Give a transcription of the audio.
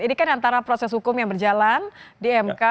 ini kan antara proses hukum yang berjalan di mk